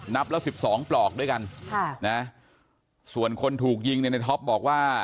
นับแล้ว๑๒ปลอกด้วยกันส่วนคนถูกยิงในท็อปบอกว่า